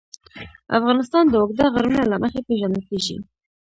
افغانستان د اوږده غرونه له مخې پېژندل کېږي.